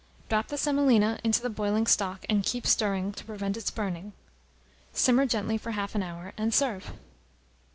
Drop the semolina into the boiling stock, and keep stirring, to prevent its burning. Simmer gently for half an hour, and serve.